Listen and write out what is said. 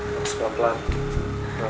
kita coba dulu aja sayang